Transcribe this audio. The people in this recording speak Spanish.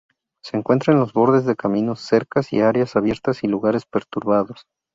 Se encuentra en los bordes de caminos, cercas y áreas abiertas y lugares perturbados.